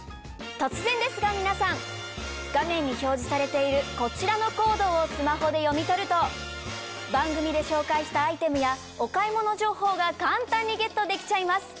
突然ですが皆さん画面に表示されているこちらのコードをスマホで読み取ると番組で紹介したアイテムやお買い物情報が簡単にゲットできちゃいます！